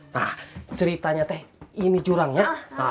nah ceritanya teh ini curangnya